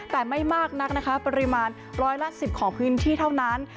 แต่ไม่มากนักนะคะปริมาณร้อยละ๑๐ของพื้นที่เท่านั้น